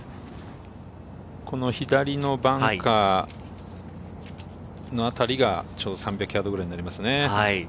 左のバンカーの辺りがちょうど３００ヤードくらいになりますね。